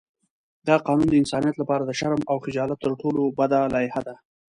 دا قانون د انسانیت لپاره د شرم او خجالت تر ټولو بده لایحه ده.